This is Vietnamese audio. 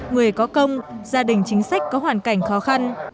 người có công gia đình chính sách có hoàn cảnh khó khăn